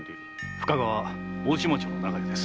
深川大島町の長屋です。